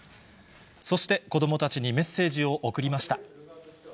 そして子どもたちにメッセージを送りました。